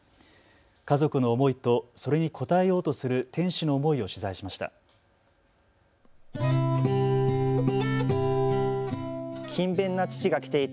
家族の思いとそれに応えようとする店主の思いを取材しました。